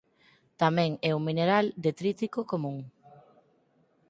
Tamén é un mineral detrítico común.